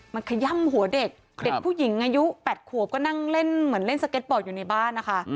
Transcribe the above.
มันขย่ำหัวเด็กเด็กผู้หญิงอายุ๘ขวบก็นั่งเล่นเหมือนเล่นสเก็ตบอร์ดอยู่ในบ้านนะคะ